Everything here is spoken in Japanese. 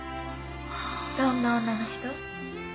どんな女の人？